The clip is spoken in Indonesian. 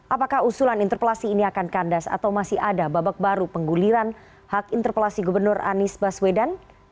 apakah usulan interpelasi ini akan kandas atau masih ada babak baru pengguliran hak interpelasi gubernur anies baswedan